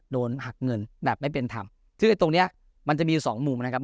โดนหักเงินแบบไม่เป็นธรรมซึ่งไอ้ตรงเนี้ยมันจะมีสองมุมนะครับ